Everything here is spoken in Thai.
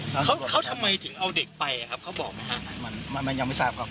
แล้วเขาเขาทำไมถึงเอาเด็กไปอะครับเขาบอกไหมฮะมันมันยังไม่ทราบครับ